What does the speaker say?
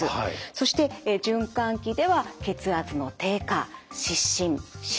そして循環器では血圧の低下失神失禁。